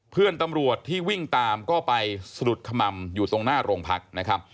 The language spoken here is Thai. เพื่อนตำรวจที่วิ่งตามก็ไปสะดุดขม่ำอยู่ตรงหน้าโรงพักนะครับ